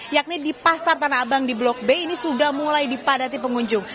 yakni di pasar tanah abang di blok b ini sudah mulai dipadati pengunjung